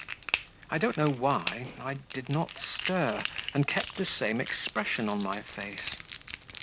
I don't know why I did not stir, and kept the same expression on my face.